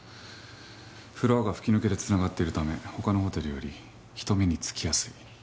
フロアが吹き抜けで繋がっているため他のホテルより人目につきやすい。